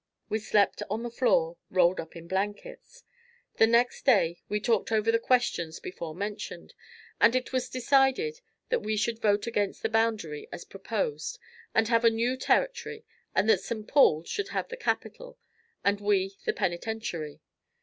We slept on the floor, rolled up in blankets. The next day, we talked over the questions before mentioned and it was decided that we should vote against the boundary as proposed and have a new territory and that St. Paul should have the capital and we the penitentiary.